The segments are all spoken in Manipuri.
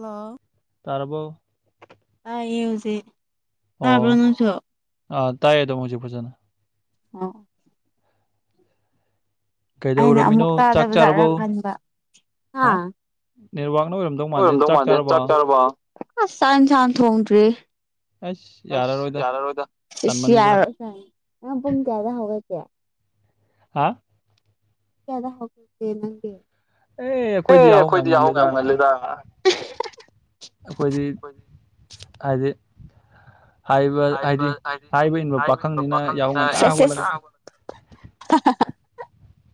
ꯂꯣ ꯇꯥꯔꯕꯣ ꯇꯥꯌꯦ ꯍꯨꯖꯤꯛ ꯑꯣ ꯑꯥ ꯇꯥꯏꯌꯦ ꯑꯗꯨꯝ ꯍꯨꯖꯤꯛ ꯐꯖꯅ [unintelligible] ꯑꯩꯅ ꯀꯩꯗꯧꯔꯝꯃꯤꯅꯣ ꯑꯃꯨꯛ ꯆꯥꯛ ꯆꯥꯔꯕꯣ ꯇꯥꯗꯕꯖꯥꯠꯔꯥ ꯈꯟꯕ ꯍꯥ ꯑꯣꯏꯔꯝꯗꯧ ꯃꯥꯟꯗꯦ ꯆꯥꯛ ꯆꯥꯔꯕꯣ ꯑꯁ ꯆꯥꯛ ꯏꯟꯁꯥꯡ ꯊꯣꯡꯗ꯭ꯔꯤ ꯑꯩꯁ ꯑꯁ ꯌꯥꯔꯔꯣꯏꯗ ꯌꯥꯔꯔ‌ꯣꯏꯗ ꯏꯁ ꯇꯟꯃꯟꯈ꯭ꯔꯦ ꯌꯥꯔꯔꯣꯏ [unintelligible] ꯅꯪ ꯄꯨꯡ ꯀꯌꯥꯗ ꯍꯧꯒꯠꯀꯦ ꯍꯥ ꯀꯌꯥꯗ ꯍꯧꯒꯠꯀꯦ ꯅꯪꯗꯤ ꯑꯦ ꯑꯩꯈꯣꯏꯗꯤ ꯌꯥꯍꯧ ꯌꯥꯝ ꯉꯜꯂꯤꯗꯥ ꯑꯩꯈꯣꯏꯗꯤ ꯍꯥꯏꯗꯤ ꯍꯥꯏꯕ ꯍꯥꯏꯗꯤ ꯍꯥꯏꯕ ꯏꯟꯕ ꯄꯥꯈꯪꯅꯤꯅ ꯌꯥꯍꯧ ꯉꯟꯇꯥ ꯍꯧꯒꯠꯂꯒ [unintelligible] ꯍꯥ ꯍꯥ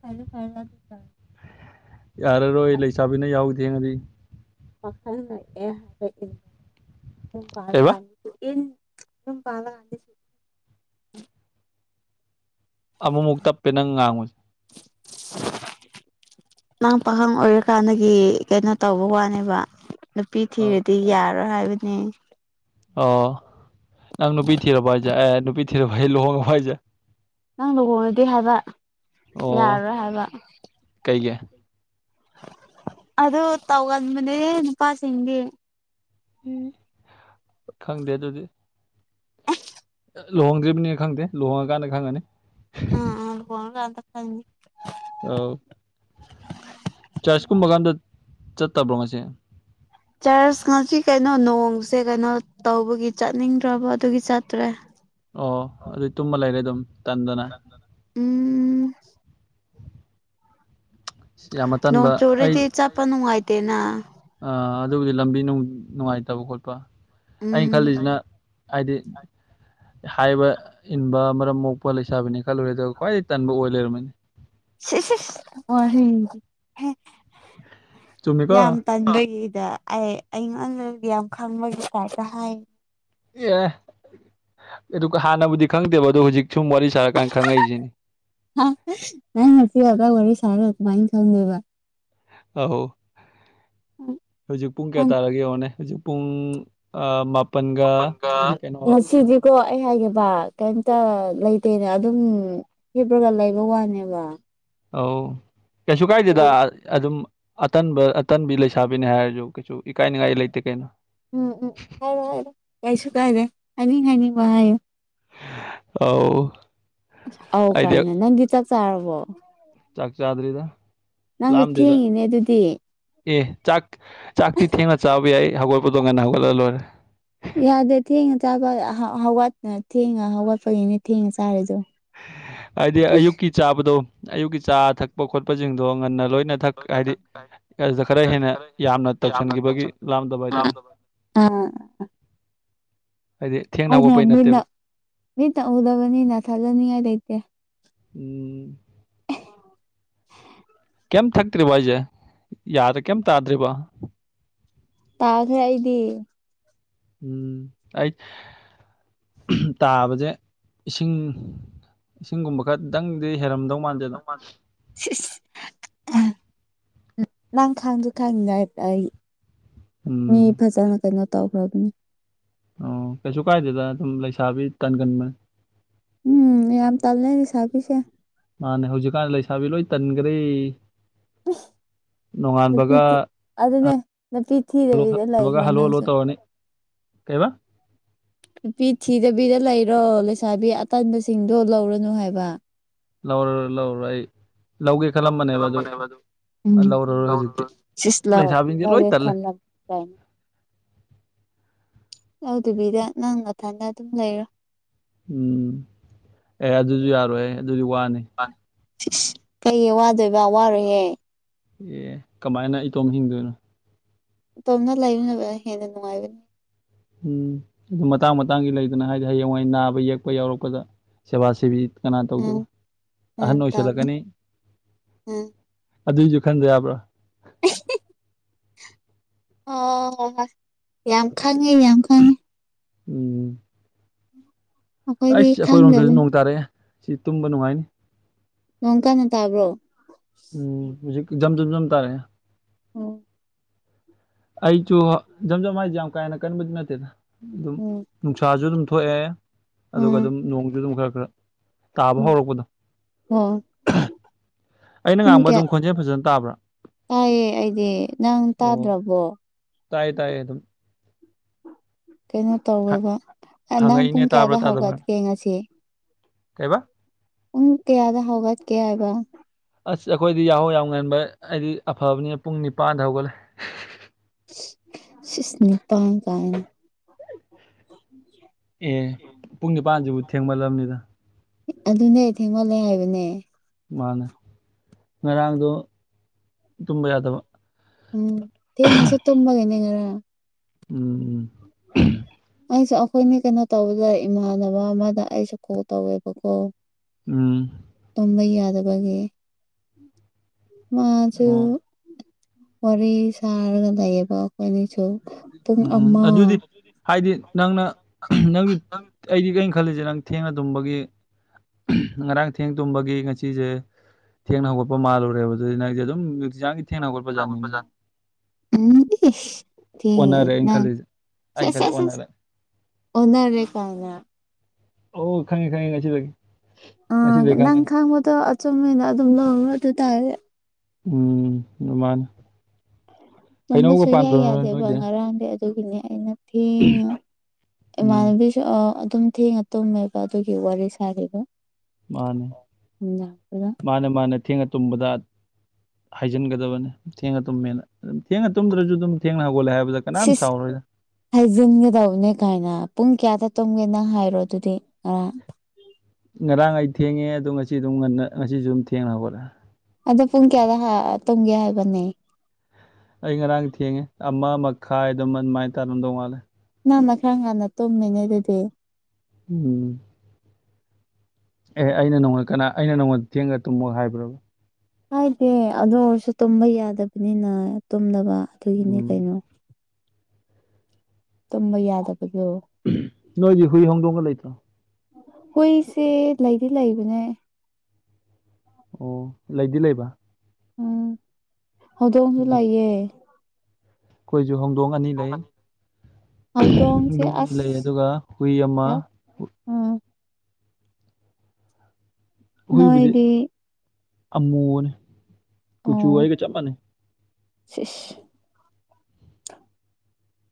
ꯐꯔ‌ꯦ ꯐꯔ‌ꯦ [unintelligible] ꯌꯔꯥꯔꯣꯏ ꯂꯩꯁꯥꯕꯤꯅ ꯌꯥꯍꯧ ꯊꯦꯡꯉꯥꯗꯤ ꯀꯩꯕ [unintelligible] ꯏꯟ ꯌꯨꯝꯄꯜꯂ [unintelligible] ꯑꯃꯨꯃꯨꯛ ꯇꯞꯄꯦ ꯅꯪ ꯉꯥꯡꯕꯥꯁꯦ ꯅꯪ ꯄꯥꯈꯪ ꯑꯣꯏꯔꯤꯀꯥꯟꯗꯒꯤ ꯀꯩꯅꯣ ꯇꯧꯕ ꯋꯥꯅꯦꯕ ꯅꯨꯄꯤ ꯑꯧ ꯊꯤꯔꯗꯤ ꯌꯥꯔꯣꯏ ꯍꯥꯏꯕꯅꯤ ꯑꯣ ꯅꯪ ꯅꯨꯄꯤ ꯊꯤꯔꯥꯕꯣ ꯍꯥꯏꯁꯦ ꯑꯦ ꯅꯨꯄꯤ ꯊꯤꯔꯥꯕ ꯂꯨꯍꯣꯡꯉꯥꯕꯣ ꯍꯥꯏꯁꯦ ꯅꯪ ꯂꯨꯍꯣꯡꯉꯥꯗꯤ ꯍꯥꯏꯕ ꯑꯣ ꯌꯥꯔꯔꯣꯏ ꯍꯥꯏꯕ ꯀꯩꯒꯤ ꯑꯗꯨ ꯇꯧꯒꯟꯕꯥꯅꯦ ꯅꯨꯄꯥꯁꯤꯡꯗꯤ ꯎꯝ ꯈꯪꯗꯦ ꯑꯗꯨꯗꯤ ꯂꯨꯍꯣꯡꯗ꯭ꯔꯤꯕꯅꯤꯅ ꯈꯪꯗꯦ ꯂꯨꯍꯣꯡꯉ ꯀꯥꯟꯗ ꯈꯪꯉꯅꯤ ꯑ ꯑ ꯐꯗ ꯐꯅꯤ [unintelligible] ꯑꯧ ꯆꯥꯔꯖ ꯀꯨꯝꯕꯒ ꯑꯃꯗ ꯆꯠꯇꯕ꯭ꯔꯣ ꯉꯁꯤ ꯆꯥ꯭ꯔꯆ ꯉꯁꯤ ꯀꯩꯅꯣ ꯅꯣꯡꯁꯦ ꯀꯩꯅꯣ ꯇꯧꯕꯒꯤ ꯆꯠꯅꯤꯡꯗ꯭ꯔꯕ ꯑꯗꯨꯒꯤ ꯆꯠꯇ꯭ꯔꯦ ꯑꯣ ꯑꯗꯨ ꯇꯨꯝꯕ ꯂꯩꯔꯦ ꯑꯗꯨꯝ ꯇꯟꯗꯅ ꯍ [unintelligible] ꯎꯝ ꯑꯁ ꯌꯥꯝꯅ ꯇꯟꯕ ꯅꯣꯡ ꯑꯩ ꯆꯨꯔꯗꯤ ꯆꯠꯄ ꯅꯨꯡꯉꯥꯏꯇꯦꯅ ꯑꯥ ꯑꯗꯨꯕꯨꯗꯤ ꯂꯝꯕꯤꯅꯨꯡ ꯅꯨꯡꯉꯥꯏꯇꯕ ꯈꯣꯠꯄ ꯑꯩꯅ ꯎꯝ ꯈꯜꯂꯤꯁꯤꯅ ꯍꯥꯏꯗꯤ [inaudible] ꯍꯥꯏꯕ ꯏꯟꯕ ꯃꯔꯝ ꯃꯣꯛꯄ ꯂꯩꯁꯥꯕꯤꯅꯤ ꯈꯜꯂꯨꯔꯦ ꯑꯗꯨꯒ ꯈ꯭ꯋꯥꯏꯗꯩ ꯇꯟꯕ ꯑꯣꯏ ꯂꯩꯔꯝꯃꯦꯅꯦ ꯁꯤ ꯁꯤꯁ ꯋꯥꯍꯩꯗꯤ ꯍꯦ ꯆꯨꯝꯃꯤꯀꯣ ꯌꯥꯝ ꯇꯟꯕꯒꯤꯗ ꯑꯩ ꯑꯩꯉꯣꯟꯗꯒꯤ ꯌꯥꯝ ꯈꯪꯕꯒꯤ ꯇꯥꯏꯞꯇ ꯍꯥꯏ ꯑꯦ ꯑꯗꯨꯒ ꯍꯥꯟꯅꯕꯨꯗꯤ ꯈꯪꯗꯦꯕ ꯑꯗꯣ ꯍꯨꯖꯤꯛ ꯁꯨꯝ ꯋꯥꯔꯤ ꯁꯥꯔꯀꯥꯟꯗ ꯈꯪꯉꯛꯏꯁꯤꯅꯤ ꯅꯪ ꯉꯁꯤ ꯈꯗꯥ ꯋꯥꯔꯤ ꯁꯥꯔꯒ ꯀꯃꯥꯏꯅ ꯈꯪꯗ‌ꯣꯏꯕ ꯑꯧ ꯍꯧꯖꯤꯛ ꯄꯨꯡ ꯀꯌꯥ ꯅꯪ ꯇꯥꯔꯒꯦ ꯌꯦꯡꯉꯣꯅꯦ ꯍꯧꯖꯤꯛ ꯄꯨꯡ ꯑꯥ ꯃꯥꯄꯟꯒ ꯀꯩꯅꯣ ꯀꯣ ꯑꯩ ꯍꯥꯏꯒꯦꯕ ꯀꯩꯝꯇ ꯂꯩꯇꯦꯅ ꯑꯗꯨꯝ ꯍꯤꯞꯄꯒ ꯂꯩꯕ ꯋꯥꯅꯦꯕ [inaudible] ꯑꯥꯎ ꯀꯩꯁꯨ ꯀꯥꯏꯗꯦꯗꯥ ꯑꯗꯨ ꯑꯗꯨꯝ ꯑꯇꯟꯕ ꯑꯇꯟꯕꯤ ꯂꯩꯁꯥꯕꯤꯅꯤ ꯍꯥꯏꯔꯖꯨ ꯀꯩꯁꯨ ꯏꯀꯥꯏꯅꯤꯡꯉꯥꯏ ꯂꯩꯇꯦ ꯀꯩꯅꯣ ꯎꯝ ꯎꯝ ꯍꯣꯏ ꯍꯣꯏ ꯀꯩꯁꯨ ꯀꯥꯏꯗꯦ ꯍꯥꯏꯅꯤꯡ ꯍꯥꯏꯅꯤꯡꯕ ꯍꯥꯏꯌꯨ ꯑꯧ ꯑꯧ ꯑꯩꯗꯤ ꯀꯥꯏꯅ ꯅꯪꯗꯤ ꯆꯥꯛ ꯆꯥꯔꯕꯣ ꯆꯥꯛ ꯆꯥꯥꯗ꯭ꯔꯤꯗ ꯅꯪꯖꯨ ꯊꯦꯡꯉꯤꯅꯦ ꯑꯗꯨꯗꯤ ꯑꯦ ꯆꯥꯛ ꯆꯥꯛꯇꯤ ꯊꯦꯡꯅ ꯆꯥꯕ ꯌꯥꯏ ꯍꯧꯒꯠꯄꯗꯣ ꯉꯟꯅ ꯍꯧꯒꯠꯂ ꯂꯣꯏꯔꯦ ꯌꯥꯗꯦ ꯊꯦꯡꯅ ꯆꯥꯕ ꯍꯎꯠ-ꯍꯧꯎꯠꯅ ꯊꯦꯡꯅ ꯍꯧꯒꯠꯄꯒꯤꯅꯦ ꯊꯦꯡꯅ ꯆꯥꯔꯤꯗꯨ ꯍꯥꯏꯗꯤ ꯑꯌꯨꯛꯀꯤ ꯆꯥꯕꯗꯣ ꯑꯌꯨꯛꯀꯤ ꯆꯥ ꯊꯛꯄ ꯈꯣꯠꯄꯁꯤꯡꯗꯣ ꯉꯟꯅ ꯂꯣꯏꯅ ꯃꯊꯛ ꯍꯥꯏꯗꯤ ꯑꯗꯨꯗ ꯈꯔ ꯍꯦꯟꯅ ꯌꯥꯝꯅ ꯇꯧꯁꯤꯟꯈꯤꯕꯒꯤ ꯂꯥꯝꯗꯕ ꯍꯥꯏꯇꯥꯔꯦ ꯑꯪ ꯍꯥꯏꯗꯤ ꯊꯦꯡꯅ ꯑꯩꯅ ꯍꯧꯒꯠꯄꯩ ꯃꯤꯠꯅ ꯅꯠꯇꯦꯕ ꯃꯤꯠꯅ ꯎꯗꯕꯅꯤꯅ ꯊꯥꯖꯅꯤꯡꯉꯥꯏ ꯂꯩꯇꯦ ꯎꯝ [unintelligible] ꯀꯩꯝ ꯊꯛꯇ꯭ꯔꯤꯕꯣ ꯍꯥꯏꯖꯦ ꯌꯥꯗꯦ ꯀꯩꯝ ꯇꯥꯗ꯭ꯔꯤꯕꯣ ꯇꯥꯈ꯭ꯔꯦ ꯑꯩꯗꯤ ꯎꯝ ꯑꯩ ꯇꯥꯕꯁꯦ ꯏꯁꯤꯡ ꯏꯁꯤꯡꯒꯨꯝꯕ ꯈꯔ ꯇꯪꯗꯤ ꯍꯦꯟꯂꯝꯗꯨ ꯍꯩꯔꯝꯗꯧ ꯃꯥꯟꯗꯦꯗ ꯅꯪ ꯈꯥꯡꯁꯨ [unintelligible] ꯑꯩ ꯃꯤ ꯎꯝ ꯐꯖꯅ ꯀꯩꯅꯣ ꯇꯧꯈ꯭ꯔꯕꯅꯤ ꯑꯣ ꯀꯩꯁꯨ ꯀꯥꯏꯗꯦꯗꯅ ꯑꯗꯨꯝ ꯂꯩꯁꯥꯕꯤ ꯇꯟꯒꯟꯕ ꯎꯝ ꯌꯥꯝ ꯇꯜꯂꯦ ꯂꯩꯁꯥꯥꯕꯤꯁꯦ ꯃꯥꯅꯦ ꯍꯧꯖꯤꯛꯀꯥꯟ ꯂꯩꯁꯥꯕꯤ ꯂꯣꯏ ꯇꯟꯒꯔꯦ ꯎꯝ ꯅꯨꯄꯤ ꯅꯣꯡꯉꯥꯟꯕꯒ ꯊꯤ ꯑꯗꯨꯅꯦ ꯅꯨꯄꯤ ꯊꯤꯗꯕꯤꯗ ꯂꯩꯈ꯭ꯔꯣ ꯅꯪꯁꯨ ꯀꯩꯕꯥ ꯅꯨꯄꯤ ꯊꯤꯗꯕꯤꯗ ꯂꯩꯔꯣ ꯂꯩꯁꯥꯕꯤ ꯑꯇꯟꯕꯁꯤꯡꯗꯣ ꯂꯧꯔꯅꯨ ꯍꯥꯏꯕ ꯂꯧꯔꯔꯣꯏ ꯂꯧꯔꯔꯣꯏ ꯑꯩ ꯂꯧꯒꯦ ꯈꯜꯂꯝꯕꯅꯦꯕ ꯑꯗꯨ ꯎꯝ [unintelligible] ꯂꯧꯔꯔꯣꯏ ꯍꯧꯖꯤꯛꯇꯤ ꯂꯩꯁꯥꯕꯤꯁꯤꯡꯁꯦ ꯂꯣꯏ ꯇꯜꯂꯦ ꯂꯧꯗꯕꯤꯗ ꯅꯪ ꯅꯊꯟꯗ ꯑꯗꯨꯝ ꯂꯩꯔꯣ ꯎꯝ ꯑꯦ ꯑꯗꯨꯖꯨ ꯌꯥꯔꯣꯏꯍꯦ ꯑꯗꯨꯗꯤ ꯋꯥꯅꯤ ꯁꯤꯏꯁ ꯀꯩꯒꯤ ꯋꯥꯗꯣꯏꯕ ꯋꯥꯔꯣꯏꯍꯦ ꯑꯦ ꯀꯃꯥꯏꯅ ꯏꯇꯣꯝ ꯍꯤꯡꯗꯣꯏꯅꯣ ꯇꯣꯝꯅ ꯂꯩꯕꯅꯕ ꯍꯦꯟꯅ ꯅꯨꯡꯉꯥꯏꯒꯅꯤ ꯎꯝ ꯑꯗꯨ ꯃꯇꯥꯡ ꯃꯇꯥꯡꯒꯤ ꯂꯩꯗꯅ ꯍꯥꯏꯗꯤ ꯍꯌꯦꯡꯋꯥꯏ ꯅꯥꯕ ꯌꯦꯛꯄ ꯌꯥꯎꯔꯛꯄꯗ ꯁꯦꯕꯥ ꯁꯦꯕꯤ ꯀꯅꯥ ꯎꯝ ꯇꯧꯗꯨꯏꯕ ꯎꯝ ꯑꯍꯟ ꯇꯝꯃꯤ ꯑꯣꯏꯁꯜꯂꯛꯀꯅꯤ ꯎꯝ ꯑꯗꯨꯏꯖꯨ ꯈꯟꯗ ꯌꯥꯕ꯭ꯔꯣ [inaudible] ꯑꯣ ꯌꯥꯝ ꯈꯪꯉꯦ ꯌꯥꯝ ꯈꯪꯉꯦ ꯎꯝ ꯑꯩꯈꯣꯏꯗꯤ ꯑꯩꯏ ꯑꯩꯈꯣꯏꯔꯣꯝꯗꯁꯨ ꯈꯪꯗꯕꯅꯤ ꯅꯣꯡ ꯇꯥꯔꯛꯑꯦ ꯁꯤ ꯇꯨꯝꯕ ꯅꯨꯡꯉꯥꯏꯅꯤ ꯅꯣꯡ ꯀꯥꯟꯟꯅ ꯇꯥꯕ꯭ꯔꯣ ꯎꯝ ꯍꯧꯖꯤꯛ ꯖꯝ ꯖꯝ ꯖꯝ ꯇꯥꯔꯦ ꯑꯣ ꯑꯩꯁꯨ ꯖꯝꯖꯝ ꯍꯥꯏꯁꯦ ꯌꯥꯝ ꯀꯥꯍꯦꯟꯅ ꯀꯟꯕꯗꯤ ꯅꯠꯇꯦꯅ ꯑꯗꯨꯝ ꯎꯝ ꯅꯨꯡꯁꯥꯁꯨ ꯑꯗꯨꯝ ꯊꯣꯛꯑꯦ ꯑꯗꯨꯒ ꯎꯝ ꯑꯗꯨꯝ ꯅꯣꯡꯁꯨ ꯑꯗꯨꯝ ꯈꯔ ꯈꯔ ꯇꯥꯕ ꯎꯝ ꯍꯧꯔꯛꯄꯗꯣ ꯑꯣ ꯑꯩꯅ ꯄꯨꯡ ꯉꯥꯡꯕ ꯀꯌꯥ ꯑꯗꯨꯝ ꯈꯣꯟꯖꯦꯜ ꯐꯖꯅꯥ ꯇꯥꯕ꯭ꯔꯥ ꯇꯥꯏꯌꯦ ꯑꯩꯗꯤ ꯅꯪ ꯑꯣ ꯇꯥꯗ꯭ꯔꯕꯣ ꯇꯥꯏꯌꯦ ꯇꯥꯏꯌꯦ ꯑꯗꯨꯝ ꯀꯩꯅꯣ ꯇꯧꯋꯦꯕ ꯅꯪ ꯍꯪꯉꯛꯏꯅꯦ ꯄꯨꯡ ꯇꯥꯕ꯭ꯔꯥ ꯀꯌꯥꯗ ꯇꯥꯗꯕ꯭ꯔꯥ ꯍꯧꯒꯠꯀꯦ ꯉꯁꯤ ꯀꯩꯕꯥ ꯄꯨꯡ ꯀꯌꯥꯗ ꯍꯧꯒꯠꯀꯦ ꯍꯥꯏꯕ ꯑꯁ ꯑꯩꯈꯣꯏꯗꯤ ꯌꯥꯍꯧ ꯌꯥꯝ ꯉꯟꯕ ꯑꯩꯗꯤ ꯑꯐꯕꯅꯦ ꯄꯨꯡ ꯅꯤꯄꯥꯟꯗ ꯍꯧꯒꯠꯂꯦ ꯁꯤꯁ ꯅꯤꯄꯥꯟ ꯇꯥꯔꯦꯅꯦ ꯑꯦ ꯄꯨꯡ ꯅꯤꯄꯥꯟꯁꯤꯕꯨ ꯊꯦꯡꯃꯜꯂꯝꯅꯤꯗ ꯑꯗꯨꯅꯦ ꯊꯦꯡꯃꯜꯂꯦ ꯍꯥꯏꯕꯅꯦ ꯃꯥꯅꯦ ꯉꯔꯥꯡꯗꯣ ꯇꯨꯝꯕ ꯌꯥꯗꯕ ꯎꯝ ꯊꯦꯡꯉꯁꯨ ꯇꯨꯝꯕꯒꯤꯅꯤ ꯉꯔꯥꯡ ꯎꯝ ꯎꯝ ꯎꯝ ꯑꯩꯁꯨ ꯑꯩꯈꯣꯏꯅꯤ ꯀꯩꯅꯣ ꯇꯧꯕꯗ ꯏꯃꯥꯟꯅꯕ ꯑꯃꯗ ꯑꯩꯁꯨ ꯀꯣꯜ ꯇꯧꯋꯦꯕꯀꯣ ꯎꯝ ꯇꯨꯝꯕ ꯌꯥꯗꯕꯒꯤ ꯃꯥꯁꯨ ꯑꯣ ꯋꯥꯔꯤ ꯁꯥꯔꯒ ꯂꯩꯌꯦꯕ ꯑꯩꯈꯣꯏꯅꯤꯁꯨ ꯄꯨꯡ ꯎꯝ ꯑꯃ ꯑꯗꯨꯗꯤ ꯍꯥꯏꯗꯤ ꯅꯪꯅ ꯅꯪ ꯑꯩꯗꯤ ꯀꯩꯝ ꯈꯜꯂꯤꯖꯦ ꯅꯪ ꯊꯦꯡꯅ ꯇꯨꯝꯕꯒꯤ ꯉꯔꯥꯡ ꯊꯦꯡ ꯇꯨꯝꯕꯒꯤ ꯉꯁꯤꯖꯦ ꯊꯦꯡꯅ ꯍꯧꯒꯠꯄ ꯃꯥꯜꯂꯨꯔꯦꯕ ꯑꯗꯨꯗꯤ ꯅꯪꯁꯦ ꯑꯗꯨꯝ ꯅꯨꯡꯇꯤꯖꯤꯡꯒꯤ [inaudible] ꯎꯝ ꯏꯁ ꯊꯦꯡꯉꯦ ꯑꯣꯟꯅꯔꯦ ꯑꯩꯅ ꯅꯪ ꯈꯜꯂꯤꯁꯦ ꯁꯦ ꯑꯩꯅ ꯈꯜꯂꯤ ꯁꯦꯁ ꯁꯦꯁ ꯑꯣꯟꯅꯔꯦ ꯑꯣꯟꯅꯔꯦ ꯀꯥꯏꯅ ꯑꯣ ꯈꯪꯉꯦ ꯈꯪꯉꯦ ꯉꯁꯤꯗꯒꯤ ꯑꯥ ꯉꯁꯤꯗꯒꯤ ꯅꯪ ꯈꯪꯉꯅꯤ ꯈꯪꯕꯗꯣ ꯑꯆꯨꯝ ꯑꯣꯏꯅ ꯑꯗꯨꯝ ꯂꯧꯔꯣ ꯑꯗꯨꯏ ꯇꯥꯔꯗꯤ ꯎꯝ ꯃꯥꯅ [inaudible] ꯇꯨꯝꯕ ꯁꯨꯛꯌꯥ ꯅꯣꯏ ꯌꯥꯗꯦꯕ ꯅꯣꯏꯗꯤ ꯉꯔꯥꯡꯗꯤ ꯑꯗꯨꯒꯤꯅꯦ ꯑꯩꯅ ꯊꯦꯡꯉ ꯎꯝ ꯏꯃꯥꯟꯅꯕꯤ ꯑꯣ ꯑꯗꯨꯝ ꯊꯦꯡꯉ ꯇꯨꯝꯃꯦꯕ ꯑꯗꯨꯒꯤ ꯋꯥꯔꯤ ꯁꯥꯔꯤꯕ ꯃꯥꯅꯦ ꯅꯨꯡꯗꯥꯡꯗꯨꯗ ꯃꯥꯅꯦ ꯃꯥꯅꯦ ꯊꯦꯡꯉ ꯇꯨꯝꯕꯗ ꯍꯥꯏꯖꯤꯟꯒꯗꯕꯅꯤ ꯊꯦꯡꯉ ꯇꯨꯝꯃꯦꯅ ꯑꯗꯨꯝ ꯊꯦꯡꯅ ꯇꯨꯝꯗ꯭ꯔꯁꯨ ꯑꯗꯨꯝ ꯊꯦꯡꯅ ꯍꯧꯒꯠꯂꯦ ꯍꯥꯏꯕꯗ ꯀꯅꯥꯝ ꯁꯤꯁ ꯁꯥꯎꯔꯣꯏ ꯍꯥꯏꯖꯤꯟꯒꯗꯧꯕꯅꯦ ꯀꯥꯢꯅ ꯄꯨꯡ ꯀꯌꯥꯗ ꯇꯨꯝꯒꯦ ꯅꯪ ꯍꯥꯏꯔꯣ ꯑꯗꯨꯗꯤ ꯉꯔꯥꯡ ꯉꯔꯥꯡ ꯑꯩ ꯊꯦꯡꯉꯦ ꯑꯗꯨ ꯉꯁꯤ ꯑꯗꯨꯝ ꯉꯟꯅ ꯉꯁꯤꯁꯨ ꯑꯗꯨꯝ ꯊꯦꯡꯅ ꯍꯧꯒꯠꯂꯦ ꯑꯗꯣ ꯄꯨꯡ ꯀꯌꯥꯗ ꯍꯥ ꯑ ꯇꯨꯝꯒꯦ ꯍꯥꯏꯕꯅꯦ ꯑꯩ ꯉꯔꯥꯡ ꯊꯦꯡꯉꯦ ꯑꯃ ꯃꯈꯥꯏ ꯑꯗꯨꯝ ꯑꯗꯨꯃꯥꯏꯅ ꯇꯥꯔꯝꯗꯧ ꯃꯥꯜꯂꯦ ꯅꯪꯅ ꯈꯔ ꯉꯟꯅ ꯇꯨꯝꯃꯤꯅꯦ ꯑꯗꯨꯗꯤ ꯎꯝ ꯑꯦ ꯑꯩꯅ ꯅꯣꯡꯉꯣꯗ ꯀꯅꯥ ꯑꯩꯅ ꯅꯉꯣꯟꯗ ꯊꯦꯡꯅ ꯇꯨꯝꯃꯨ ꯍꯥꯏꯕ꯭ꯔꯣ ꯍꯥꯏꯗꯦ ꯑꯗꯨ ꯑꯣꯏꯔꯁꯨ ꯇꯨꯝꯕ ꯌꯥꯗꯕꯅꯤꯅ ꯇꯨꯝꯗꯕ ꯑꯗꯨꯒꯤꯅꯤ ꯎꯝ ꯀꯩꯅꯣ ꯇꯨꯝꯕ ꯌꯥꯗꯕꯗꯣ ꯅꯣꯏꯒꯤ ꯍꯨꯏ ꯍꯧꯗꯣꯡꯒ ꯂꯩꯇ꯭ꯔꯣ ꯍꯨꯢꯁꯦ ꯂꯩꯗꯤ ꯂꯩꯕꯅꯦ ꯑꯣ ꯂꯩꯗꯤ ꯂꯩꯕ ꯎꯝ ꯍꯧꯗꯣꯡꯁꯨ ꯎꯝ ꯂꯏꯌꯦ ꯑꯩꯈꯣꯏꯁꯨ ꯍꯧꯗꯣꯡ ꯑꯅꯤ ꯂꯩ ꯍꯧꯗꯣꯡꯁꯦ ꯍꯧꯗꯣꯡ ꯑꯅꯤ ꯂꯩ ꯑꯗꯨꯒ ꯍꯨꯏ ꯑꯃ ꯑꯥ ꯍꯨꯏꯕꯨꯗꯤ ꯅꯣꯏꯗꯤ ꯑꯃꯣꯕꯅꯤ ꯀꯨꯆꯨ ꯑꯣ ꯑꯩꯒ ꯆꯞ ꯃꯥꯟꯅꯩ ꯁꯤꯁ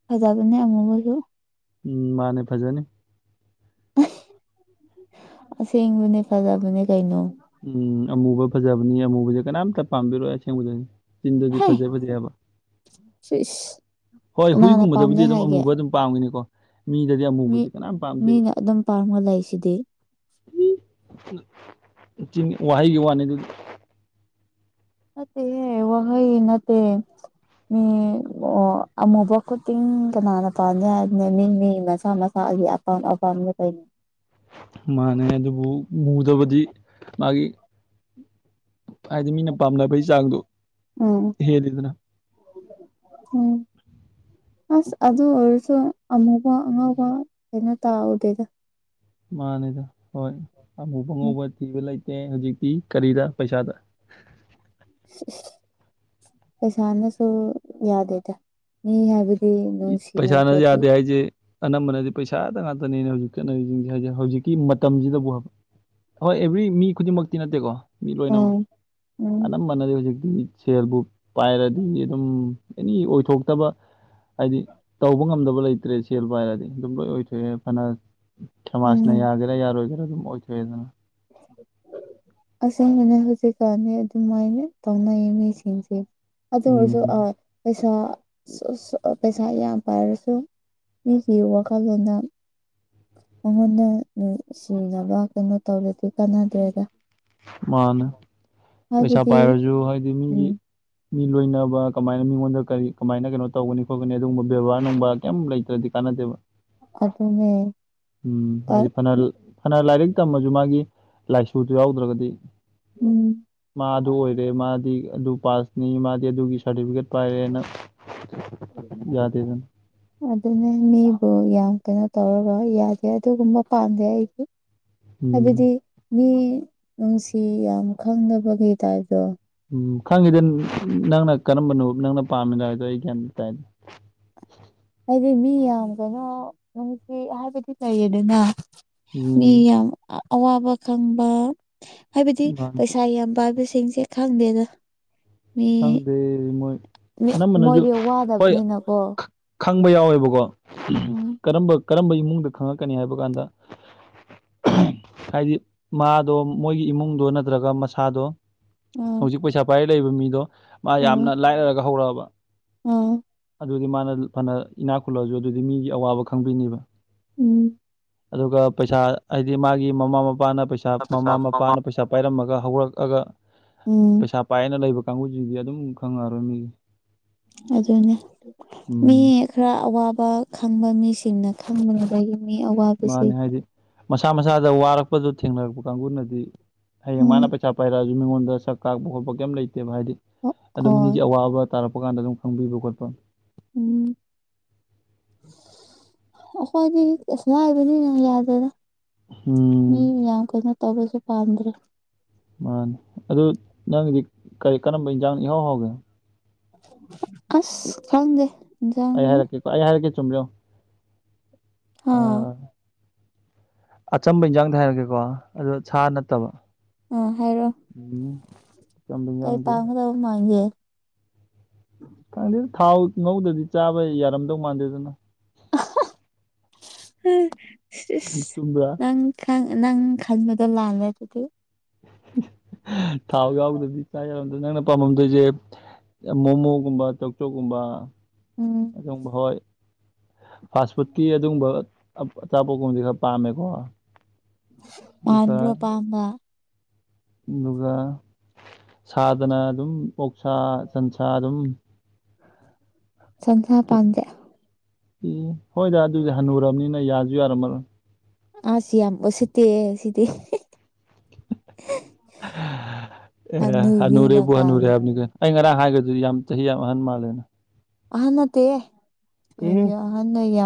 ꯐꯖꯕꯅꯦ ꯑꯃꯨꯕꯁꯨ ꯎꯝ ꯃꯥꯅꯦ ꯐꯖꯅꯤ [unintelligible] ꯑꯁꯦꯡꯕꯅꯦ ꯐꯖꯕꯅꯦ ꯀꯩꯅꯣ ꯎꯝ ꯑꯃꯨꯕ ꯐꯖꯕꯅꯤ ꯑꯃꯨꯕꯁꯦ ꯀꯅꯥꯝꯇ ꯄꯥꯝꯕꯤꯔꯣꯏ ꯑꯁꯦꯡꯕꯗꯅꯤ ꯆꯤꯟꯗꯗꯤ ꯍꯦ ꯐꯖꯩ ꯐꯖꯩꯑꯕ ꯁꯤꯁ ꯍꯣꯏ ꯀꯅꯥꯅ ꯍꯨꯏꯒꯨꯝꯕꯗꯕꯨꯗꯤ ꯄꯥꯝꯗꯦ ꯑꯗꯨꯝ ꯍꯥꯏꯒꯦ ꯑꯃꯨꯕ ꯑꯗꯨꯝ ꯄꯥꯝꯒꯤꯅꯤꯀꯣ ꯃꯤꯗꯗꯤ ꯃꯤ ꯑꯃꯨꯕꯁꯤ ꯀꯅꯥꯝ ꯄꯥꯝꯗꯦꯕ ꯃꯤꯅ ꯑꯗꯨꯝ ꯄꯥꯝꯃꯒ ꯂꯩꯁꯤꯗꯤ ꯋꯥꯍꯩꯒꯤ ꯋꯥꯅꯤ ꯑꯗꯨꯗꯤ ꯅꯠꯇꯦꯅꯦ ꯋꯥꯍꯩꯒꯤ ꯅꯠꯇꯦ ꯃꯤ ꯑꯃꯨꯕ ꯈꯨꯗꯤꯡ ꯀꯅꯥꯅ ꯄꯥꯝꯗꯦ ꯍꯥꯏꯕꯅꯣ ꯃꯤ ꯃꯤ ꯃꯁꯥ ꯃꯁꯥꯒꯤ ꯑꯄꯥꯝ ꯄꯥꯝꯕ ꯇꯥꯏꯅꯦ ꯃꯥꯅꯦ ꯑꯗꯨꯕꯨ ꯃꯨꯗꯕꯗꯤ ꯃꯥꯒꯤ ꯍꯥꯏꯗꯤ ꯃꯤꯅ ꯄꯥꯝꯅꯕꯩ ꯆꯥꯡꯗꯣ ꯎꯝ ꯍꯦꯜꯂꯤꯗꯅ ꯎꯝ ꯑꯁ ꯑꯗꯨ ꯑꯣꯏꯔꯁꯨ ꯑꯃꯨꯛ ꯋꯥ ꯑꯉꯧꯕ ꯀꯩꯅꯣ ꯇꯥꯎꯗꯦꯗ ꯃꯥꯅꯦꯗ ꯍꯣꯏ ꯑꯃꯨꯕ ꯎꯝ ꯑꯉꯧꯕ ꯊꯤꯕ ꯂꯩꯇꯦ ꯍꯧꯖꯤꯛꯇꯤ ꯀꯔꯤꯗ ꯄꯩꯁꯥꯗ ꯁꯤꯁ ꯄꯩꯁꯥꯅꯁꯨ ꯌꯥꯗꯦꯗꯥ ꯃꯤ ꯍꯥꯏꯕꯗꯤ ꯅꯨꯡꯁꯤꯅꯗ꯭ꯔꯗꯤ ꯑꯩꯖꯦ ꯑꯅꯝꯕꯅꯗꯤ ꯄꯩꯁꯥꯗ ꯉꯥꯛꯇꯅꯤꯅꯦ ꯍꯧꯖꯤꯛ ꯆꯠꯅꯔꯤꯖꯤꯡꯖꯦ ꯍꯥꯏꯗꯤ ꯍꯧꯖꯤꯛꯀꯤ ꯃꯇꯝꯖꯤꯗꯕꯨ ꯍꯥꯏꯕ ꯍꯣꯏ ꯑꯦꯕ꯭ꯔꯤ ꯃꯤ ꯈꯨꯗꯤꯡꯃꯛꯇꯤ ꯅꯠꯇꯦꯀꯣ ꯃꯤ ꯂꯣꯏꯅꯃꯛ ꯎꯝ ꯎꯝ ꯑꯅꯝꯕꯅꯗꯤ ꯍꯧꯖꯤꯛꯇꯤ ꯁꯦꯜꯕꯨ ꯄꯥꯏꯔꯗꯤ ꯑꯗꯨꯝ ꯑꯦꯅꯤ ꯑꯣꯏꯊꯣꯛꯇꯕ ꯍꯥꯏꯗꯤ ꯇꯧꯕ ꯉꯝꯗꯕ ꯂꯩꯇ꯭ꯔꯦ ꯁꯦꯜ ꯄꯥꯏꯔꯗꯤ ꯑꯗꯨꯝ ꯂꯣꯏ ꯑꯣꯏꯊꯣꯛꯑꯦ ꯐꯅ ꯁꯃꯥꯖꯅ ꯎꯝ ꯌꯥꯒꯦꯔꯥ ꯌꯥꯔꯣꯏꯒꯦꯔꯥ ꯑꯗꯨꯝ ꯑꯣꯏꯊꯣꯛꯑꯦꯗꯅ ꯑꯁꯦꯡꯕꯅꯦ ꯍꯧꯖꯤꯛꯀꯥꯟꯅꯤ ꯑꯗꯨꯃꯥꯏꯅ ꯇꯧꯅꯩꯌꯦ ꯃꯤꯁꯤꯡꯁꯦ ꯑꯗꯨ ꯑꯣꯏꯔꯁꯨ ꯎꯝ ꯄꯩꯁꯥ ꯁꯨ ꯁꯨ ꯄꯩꯁꯥ ꯌꯥꯝ ꯄꯥꯏꯔꯁꯨ ꯃꯤꯒꯤ ꯋꯥꯈꯜꯂꯣꯟꯗ ꯃꯉꯣꯟꯗ ꯅꯨꯡ ꯁꯤꯅꯕ ꯀꯩꯅꯣ ꯇꯧꯔꯗꯤ ꯀꯥꯟꯅꯗ꯭ꯔꯦꯗ ꯃꯥꯅꯦ ꯄꯩꯁꯥ ꯍꯥꯏꯕꯗꯤ ꯄꯥꯏꯔꯖꯨ ꯍꯥꯏꯗꯤ ꯃꯤꯒꯤ ꯎꯝ ꯃꯤ ꯂꯣꯏꯅꯕ ꯀꯃꯥꯏꯅ ꯃꯤꯉꯣꯟꯗ ꯀꯔꯤ ꯀꯃꯥꯏꯅ ꯀꯩꯅꯣ ꯇꯧꯒꯅꯤ ꯈꯣꯠꯀꯅꯤ ꯑꯗꯨꯒꯨꯝꯕ ꯕꯦꯕꯥꯔ ꯅꯨꯡꯕꯥꯔ ꯀꯩꯝ ꯂꯩꯇ꯭ꯔꯗꯤ ꯀꯥꯅꯗꯦꯕ ꯑꯗꯨꯅꯦ ꯎꯝ ꯇ ꯍꯥꯏꯗꯤ ꯐꯅ ꯐꯅ ꯂꯥꯏꯔꯤꯛ ꯇꯝꯃꯖꯨ ꯃꯥꯒꯤ ꯂꯥꯏꯁꯨꯗꯨ ꯌꯥꯎꯗ꯭ꯔꯒꯗꯤ ꯎꯝ ꯃꯥ ꯑꯗꯨ ꯑꯣꯏ ꯃꯥꯗꯤ ꯑꯗꯨ ꯄꯥꯁꯅꯤ ꯃꯥꯗꯤ ꯑꯗꯨꯒꯤ ꯁꯥꯔꯇꯤꯐꯤꯀꯦꯠ ꯄꯥꯏꯔꯦꯅ [unintelligible] [unintelligible] ꯑꯗꯨꯅ ꯃꯤꯕꯨ ꯌꯥꯝ ꯀꯩꯅꯣ ꯇꯧꯔꯒ ꯌꯥꯗꯦ ꯑꯗꯨꯒꯨꯝꯕ ꯄꯥꯝꯗꯦ ꯑꯩꯗꯤ ꯎꯝ ꯍꯥꯏꯕꯗꯤ ꯃꯤ ꯅꯨꯡꯁꯤ ꯌꯥꯝ ꯈꯪꯗꯕꯒꯤ ꯇꯥꯏꯞꯇꯣ ꯎꯝ ꯈꯪꯉꯤꯗ ꯅꯪꯅ ꯀꯔꯝꯕꯅꯣ ꯅꯪꯅ ꯄꯥꯝꯃꯤꯅꯣ ꯍꯥꯏꯗꯣ ꯑꯩ ꯒꯌꯥꯟ ꯇꯥꯏ ꯍꯥꯏꯗꯤ ꯃꯤ ꯌꯥꯝ ꯀꯩꯅꯣ ꯅꯨꯡꯁꯤ ꯍꯥꯏꯕꯗꯤ ꯂꯩꯌꯦꯗꯅ ꯃꯤ ꯎꯝ ꯌꯥꯝ ꯑꯋꯥꯕ ꯈꯪꯕ ꯍꯥꯏꯕꯗꯤ ꯅꯍꯥꯟ ꯄꯩꯁꯥ ꯌꯥꯝ ꯄꯥꯏꯕꯁꯤꯡꯁꯦ ꯈꯪꯗꯦꯗ ꯃꯤ ꯈꯪꯗꯦ ꯃꯣꯏ ꯑꯅꯝꯕꯅꯁꯨ ꯃꯣꯏꯗꯤ ꯍꯣꯏ ꯋꯥꯗꯕꯅꯤꯅꯀꯣ ꯈ- ꯈꯪꯕ ꯌꯥꯎꯋꯦꯕꯀꯣ ꯎꯝ ꯀꯔꯝꯕ ꯀꯔꯝꯕ ꯏꯃꯨꯡꯗ ꯈꯪꯉꯛꯀꯅꯤ ꯍꯥꯏꯕ ꯀꯥꯟꯗ ꯍꯥꯏꯗꯤ ꯃꯥꯗꯣ ꯃꯣꯏꯒꯤ ꯏꯃꯨꯡꯗꯣ ꯅꯠꯇ꯭ꯔꯒ ꯃꯁꯥꯗꯣ ꯎꯝ ꯍꯧꯖꯤꯛ ꯄꯩꯁꯥ ꯄꯥꯏꯔ ꯂꯩꯕ ꯃꯤꯗꯣ ꯃꯥ ꯌꯥꯝꯅ ꯎꯝ ꯂꯥꯏꯔꯔꯥꯒ ꯍꯧꯔꯛꯑꯕ ꯎꯝ ꯑꯗꯨꯗꯤ ꯃꯥꯅ ꯐꯅ ꯏꯅꯥꯛ ꯈꯨꯜꯂꯁꯨ ꯑꯗꯨꯗꯤ ꯃꯤꯒꯤ ꯑꯋꯥꯕ ꯈꯪꯗꯣꯏꯅꯦꯕ ꯎꯝ ꯑꯗꯨꯒ ꯄꯩꯁꯥ ꯍꯥꯏꯗꯤ ꯃꯥꯒꯤ ꯃꯃꯥ ꯃꯄꯥꯅ ꯄꯩꯁꯥ ꯃꯃꯥ ꯃꯄꯥꯅ ꯄꯩꯁꯥ ꯄꯥꯏꯔꯝꯃꯒ ꯍꯧꯔꯛꯑꯒ ꯎꯝ ꯄꯩꯁꯥ ꯄꯥꯏꯅ ꯂꯩꯕ ꯀꯥꯡꯕꯨꯁꯤꯗꯤ ꯑꯗꯨꯝ ꯈꯪꯉꯔꯣꯏ ꯃꯤꯒꯤ ꯑꯗꯨꯅꯦ ꯃꯤ ꯎꯝ ꯈꯔ ꯑꯋꯥꯕ ꯈꯪꯕ ꯃꯤꯁꯤꯡꯅ ꯈꯪꯕꯒꯤ ꯃꯥꯅꯦ ꯍꯥꯏꯗꯤ ꯃꯁꯥ ꯃꯁꯥꯗ ꯋꯥꯔꯛꯄꯗꯣ ꯊꯦꯡꯅꯔꯛꯄ ꯀꯥꯡꯕꯨꯅꯗꯤ ꯍꯌꯦꯡ ꯎꯝ ꯃꯥꯅ ꯄꯩꯁꯥ ꯄꯥꯏꯔꯛꯑꯁꯨ ꯃꯤꯉꯣꯟꯗ ꯁꯛ ꯀꯥꯛꯄ ꯈꯣꯠꯄ ꯀꯩꯝ ꯂꯩꯇꯦꯕ ꯍꯥꯏꯗꯤ ꯑꯗꯨꯝ ꯍꯣꯏ ꯃꯤꯒꯤ ꯑꯋꯥꯕ ꯇꯥꯔꯛꯄ ꯀꯥꯟꯗ ꯑꯗꯨꯝ ꯈꯪꯕꯤꯕ ꯈꯣꯠꯄ ꯎꯝ ꯑꯩꯈꯣꯏꯗꯤ ꯀꯩꯁꯨ ꯍꯥꯏ ꯑꯩꯗꯤ ꯌꯥꯗꯔꯦꯗ ꯃꯤ ꯎꯝ ꯌꯥꯝ ꯀꯣꯏꯅ ꯇꯧꯕꯁꯨ ꯄꯥꯝꯗ꯭ꯔꯦ ꯃꯥꯅꯦ ꯑꯗꯨ ꯅꯪꯒꯤꯗꯤ ꯀꯔꯤ ꯀꯔꯝꯕ ꯏꯟꯖꯥꯡꯅ ꯏꯍꯥꯎ ꯍꯥꯎꯒꯦ ꯑꯁ ꯈꯪꯗꯦ ꯑꯩ ꯏꯟꯁꯥꯡꯁꯦ ꯍꯥꯏꯔꯛꯀꯦꯀꯣ ꯑꯩ ꯍꯥꯏꯔꯛꯀꯦ ꯆꯨꯝꯕ꯭ꯔꯥ ꯌꯦꯡꯉꯣ ꯍꯥ ꯑꯥ ꯑꯆꯝꯕ ꯏꯟꯖꯥꯡꯗ ꯍꯥꯏꯔꯛꯀꯦꯀꯣ ꯑꯗꯣ ꯁꯥ ꯅꯠꯇꯕ ꯑꯥ ꯍꯥꯏꯔꯣ ꯎꯝ ꯑꯆꯝꯕ ꯀꯩ ꯏꯟꯖꯥꯡꯁꯦ ꯄꯥꯝꯒꯗꯕ ꯃꯥꯟꯒꯦ ꯈꯪꯗꯦ ꯊꯥꯎ ꯉꯧꯗꯗꯤ ꯆꯥꯕ ꯌꯥꯔꯝꯗꯧ ꯃꯥꯟꯗꯦꯗ ꯅꯪ [unintelligible] ꯆꯨꯝ꯭ꯔꯥ ꯅꯪ ꯈ ꯅꯪ ꯈꯟꯕꯗꯣ ꯂꯥꯜꯂꯦ ꯑꯗꯨꯗꯤ ꯊꯥꯎ ꯌꯥꯎꯕꯗꯗꯤ ꯆꯥ ꯌꯥꯔꯝꯗ꯭ꯔ ꯅꯪꯅ ꯄꯥꯥꯝꯃꯝꯗꯣꯏꯁꯦ ꯃꯣꯃꯣꯒꯨꯝꯕ ꯇꯧꯆꯣꯀꯨꯝꯕ ꯎꯝ ꯑꯗꯨꯝꯚꯣꯏ ꯐꯥꯁ ꯐꯨꯗꯀꯤ ꯑꯗꯨꯒꯨꯝꯕ ꯑꯆꯥꯄꯣꯀꯨꯝꯗꯤ ꯈꯔ ꯄꯥꯝꯃꯦꯀꯣ ꯑꯗꯨꯒ ꯃꯥꯟꯕ꯭ꯔꯣ ꯄꯥꯝꯕ ꯑꯗꯨꯒ ꯁꯥꯗꯅ ꯑꯗꯨꯝ ꯑꯣꯣꯛꯁꯥ ꯁꯟꯁꯥ ꯑꯗꯨꯝ ꯁꯟꯁꯥ ꯄꯥꯟꯗꯌꯥ ꯑꯦ ꯍꯣꯏꯗ ꯑꯗꯨꯗꯤ ꯍꯟꯅꯨꯔꯔꯕꯅꯤꯅ ꯌꯥꯁꯨ ꯌꯥꯔꯝꯃꯂꯣꯏ ꯑꯁ ꯌꯥꯝ ꯎꯁꯤꯠꯇꯦ ꯁꯤꯗꯤ ꯑꯦ ꯍꯥꯟ ꯍꯅꯨꯕꯤꯅ ꯅꯨꯔꯦ ꯣꯍꯥ ꯅꯨꯔꯦ ꯀꯥꯏꯅ ꯍꯥꯏꯕꯅꯤꯒ ꯑꯩ ꯉꯔꯥꯡ ꯍꯥꯏꯒ꯭ꯔꯗꯨꯗꯤ ꯌꯥꯝ ꯆꯍꯤ ꯌꯥꯝ ꯑꯍꯟ ꯃꯥꯜꯂꯦꯅ ꯑꯍꯟ ꯅꯠꯇꯦ ꯑꯦ ꯑꯩꯒꯤ ꯑꯍꯟ ꯑꯣꯏ